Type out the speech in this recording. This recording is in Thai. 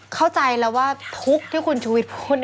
เข้าใจแล้วว่าทุกข์ที่คุณชุวิตพูด